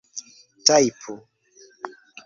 tajpu